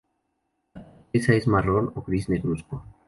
La corteza es marrón o gris-negruzco.